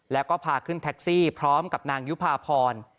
แล้วก็พาขึ้นแท็กซี่พร้อมกับนางยุภาพร